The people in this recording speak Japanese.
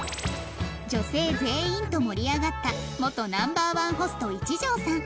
女性全員と盛り上がった元 Ｎｏ．１ ホスト一条さん